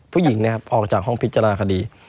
ผู้หญิงเนี่ยออกจากห้องพิจารณาคดี